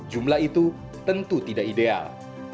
jumlah itu tentu tidak ideal